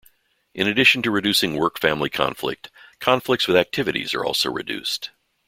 In addition to reducing work-family conflict, conflicts with activities are also reduced.